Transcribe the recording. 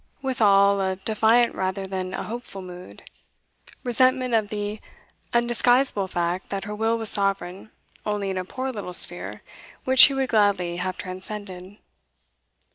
Withal, a defiant rather than a hopeful mood; resentment of the undisguisable fact that her will was sovereign only in a poor little sphere which she would gladly have transcended.